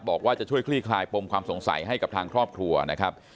บอกว่าจะช่วยคลี่คลายปมความสงสัยให้กับทางครอบครัวนะครับ